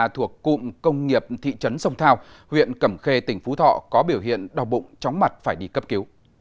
thuộc cụm công nghiệp thị trấn sông thao huyện cẩm khê tỉnh phú thọ có biểu hiện đau bụng chóng mặt phải đi cấp cứu